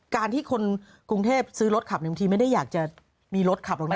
การที่คนกรุงเทพซื้อรถขับบางทีไม่ได้อยากจะมีรถขับหรอกนะ